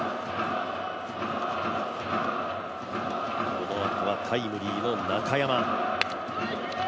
このあとはタイムリーの中山。